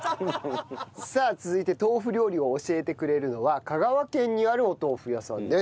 さあ続いて豆腐料理を教えてくれるのは香川県にあるお豆腐屋さんです。